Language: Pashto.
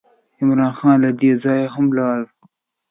عمرا خان له دې ځایه هم ولاړ.